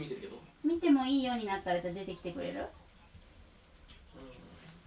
見てもいいようになったらじゃあ出てきてくれる？